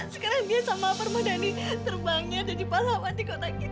sekarang dia sama permadani terbangnya dan dipahlawan di kota kita